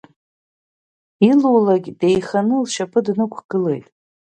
Илулак деиханы лшьапы днықәгылеит.